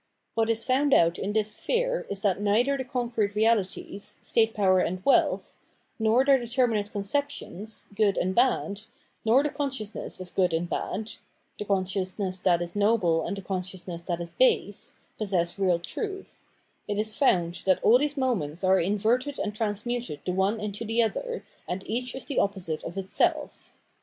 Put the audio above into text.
What is found out in this sphere is that neither the concrete realities, state power and wealth, nor their determin ate conceptions, good and bad, nor the consciousness of good and bad (the consciousness that is noble and the consciousness that is base) possess real truth; it is found that ail these moments are inverted and trans muted the one into the other, and each is the opposite of itself.